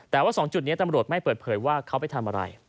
แต่ว่า๒จุดนี้ตำรวจไม่เปิดเผยว่าเขาไปทำอะไร